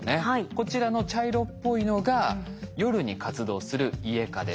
こちらの茶色っぽいのが夜に活動するイエカです。